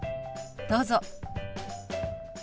どうぞ。